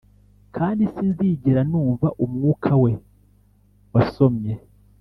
kandi sinzigera numva umwuka we wasomye